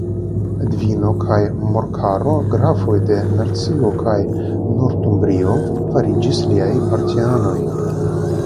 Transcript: Edvino kaj Morkaro grafoj de Mercio kaj Nortumbrio fariĝis liaj partianoj.